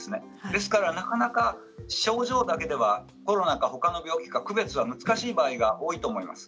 ですからなかなか症状だけではコロナか、ほかの病気か区別が難しい場合が多いと思います。